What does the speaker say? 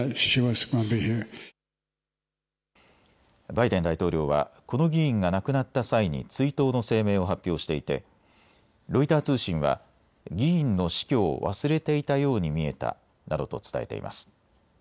バイデン大統領は、この議員が亡くなった際に追悼の声明を発表していてロイター通信は議員の死去を忘れていたように見えたなどと伝えています。